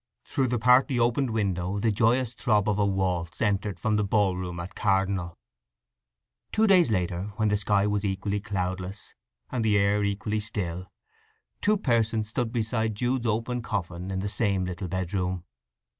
Through the partly opened window the joyous throb of a waltz entered from the ball room at Cardinal. Two days later, when the sky was equally cloudless, and the air equally still, two persons stood beside Jude's open coffin in the same little bedroom.